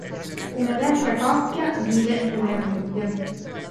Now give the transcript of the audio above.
Una vecchia coppia vive poveramente.